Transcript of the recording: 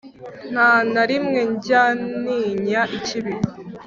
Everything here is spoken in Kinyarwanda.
Nta na rimwe njya ntinya ikibi